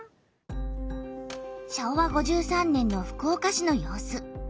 昭和５３年の福岡市の様子。